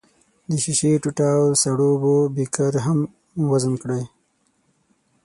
د ښيښې ټوټه او سړو اوبو بیکر هم وزن کړئ.